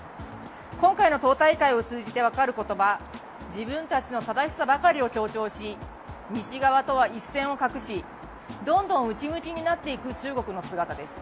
今回の党大会を通じて分かることは自分たちの正しさばかりを強調し西側とは一線を画しどんどん内向きになっていく中国の姿です。